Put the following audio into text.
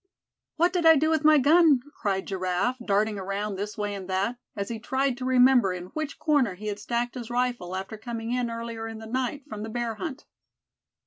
"What did I do with my gun?" cried Giraffe, darting around this way and that, as he tried to remember in which corner he had stacked his rifle, after coming in earlier in the night, from the bear hunt.